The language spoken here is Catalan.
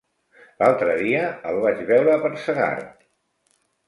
L'altre dia el vaig veure per Segart.